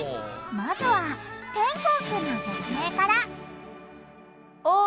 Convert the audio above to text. まずはてんこう君の説明からはい。